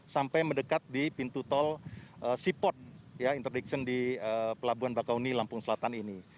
sampai mendekat di pintu tol sipot interdiction di pelabuhan bakauni lampung selatan ini